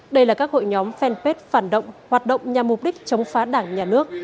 đây là các hội nhóm fanpage phản động hoạt động nhằm mục đích chống phá đảng nhà nước